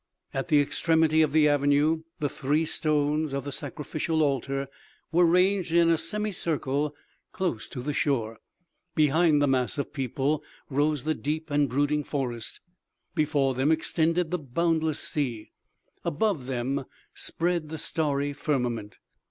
At the extremity of the avenue, the three stones of the sacrificial altar were ranged in a semi circle, close to the shore. Behind the mass of people rose the deep and brooding forest, before them extended the boundless sea, above them spread the starry firmament.